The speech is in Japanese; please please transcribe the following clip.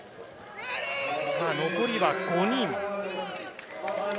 残りは５人。